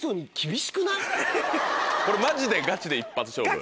これマジでガチで一発勝負。